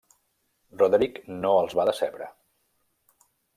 Roderic no els va decebre.